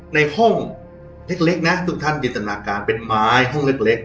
ในห้องเล็กนะทุกท่านจินตนาการเป็นไม้ห้องเล็ก